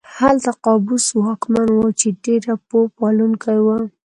هلته قابوس واکمن و چې ډېر پوه پالونکی و.